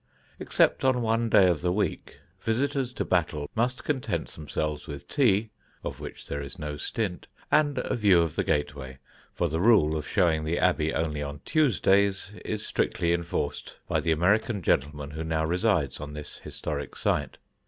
Except on one day of the week visitors to Battle must content themselves with tea (of which there is no stint) and a view of the gateway, for the rule of showing the Abbey only on Tuesdays is strictly enforced by the American gentleman who now resides on this historic site.